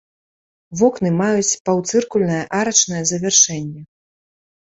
Вокны маюць паўцыркульнае арачнае завяршэнне.